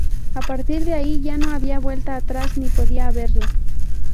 A partir de ahí ya no había vuelta atrás ni podía haberla.